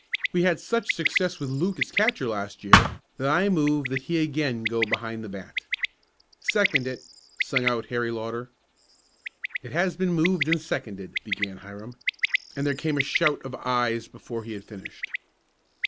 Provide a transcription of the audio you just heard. "We had such success with Luke as catcher last year, that I move that he again go behind the bat." "Second it," sung out Harry Lauter. "It has been moved and seconded," began Hiram, and there came a shout of "ayes" before he had finished.